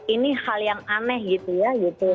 ini hal yang aneh gitu ya gitu